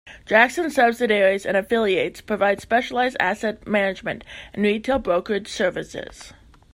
Jackson subsidiaries and affiliates provide specialized asset management and retail brokerage services.